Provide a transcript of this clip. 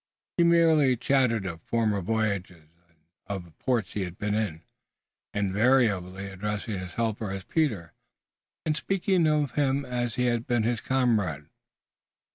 He merely chattered of former voyages and of the ports he had been in, invariably addressing his helper as Peter, and speaking of him as if he had been his comrade.